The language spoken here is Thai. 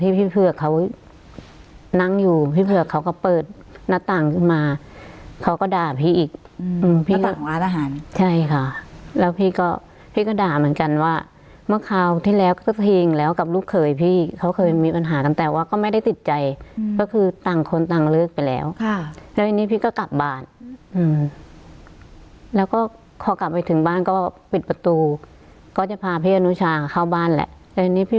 อีกอืมแล้วต่างหวานอาหารใช่ค่ะแล้วพี่ก็พี่ก็ด่าเหมือนกันว่าเมื่อคราวที่แล้วก็เถียงแล้วกับลูกเคยพี่เขาเคยมีปัญหาตั้งแต่ว่าก็ไม่ได้ติดใจอืมก็คือต่างคนต่างเลือกไปแล้วค่ะแล้วอันนี้พี่ก็กลับบ้านอืมแล้วก็พอกลับไปถึงบ้านก็ปิดประตูก็จะพาพี่อนุชาเขาบ้านแหละแล้วอันนี้พี่